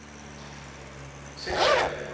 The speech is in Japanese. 「世界初の」。